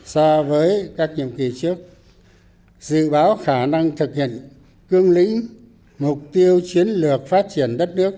so với các nhiệm kỳ trước dự báo khả năng thực hiện cương lĩnh mục tiêu chiến lược phát triển đất nước